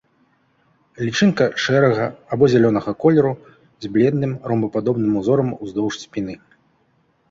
Лічынка шэрага або зялёнага колеру з бледным, ромбападобным узорам уздоўж спіны.